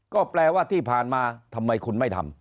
ก็แปลว่าที่ผ่านมาทำไมคุณไม่ทำ